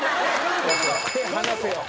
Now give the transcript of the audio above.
手離せよ。